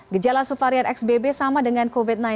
gejala subvarian xbb sama dengan covid sembilan belas